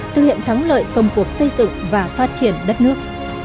thực hiện thắng lợi công cuộc xây dựng và phát triển đất nước